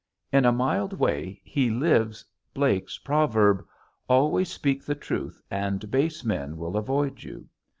In a mild way he lives Blake's proverb, "Always speak the truth and base men will avoid you."